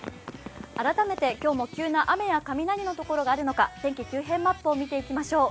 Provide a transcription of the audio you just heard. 改めて今日も急な雨や雷があるのか、天気急変マップを見ていきましょう。